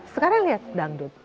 sekarang lihat dangdut